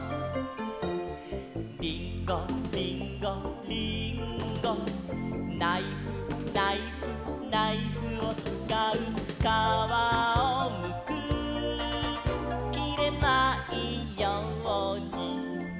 「りんごりんごりんご」「ナイフナイフナイフをつかう」「かわをむくきれないように」